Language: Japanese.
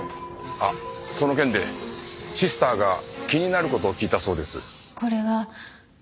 あっその件でシスターが気になる事を聞いたそうです。